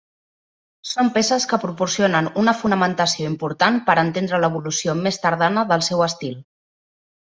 Són peces que proporcionen una fonamentació important per entendre l'evolució més tardana del seu estil.